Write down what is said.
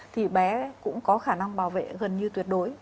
thì bé cũng có khả năng bảo vệ gần như tuyệt đối